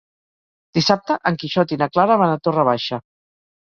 Dissabte en Quixot i na Clara van a Torre Baixa.